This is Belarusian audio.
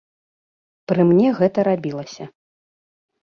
Пры мне гэта рабілася.